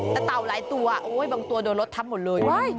แต่เต่าหลายตัวโอ้ยบางตัวโดนรถทับหมดเลย